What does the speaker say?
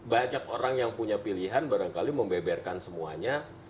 banyak orang yang punya pilihan barangkali membeberkan semuanya